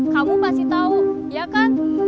kamu pasti tau iya kan